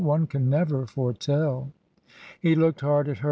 One can never foretell." He looked hard at her.